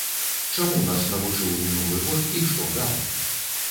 Чаму нас навучыў мінулы год і што даў?